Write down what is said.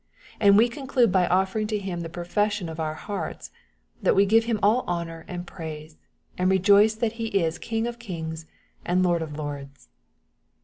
And we conclude by offering to Him the profession of our hearts, that we give Him all honor and praise, and rejoice that He is King of kings, and Lord of lords.